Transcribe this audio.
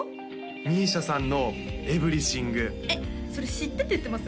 ＭＩＳＩＡさんの「Ｅｖｅｒｙｔｈｉｎｇ」えっそれ知ってて言ってます？